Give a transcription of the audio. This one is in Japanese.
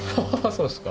そうですか？